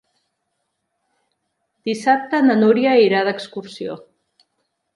Dissabte na Núria irà d'excursió.